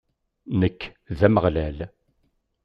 Nekk, d Ameɣlal.